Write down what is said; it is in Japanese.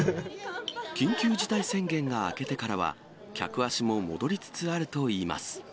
緊急事態宣言が明けてからは、客足も戻りつつあるといいます。